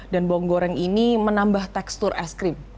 dan bawang goreng ini menambah tekstur es krim